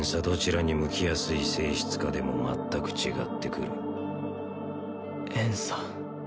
どちらに向きやすい性質かでも全く違ってくる怨嗟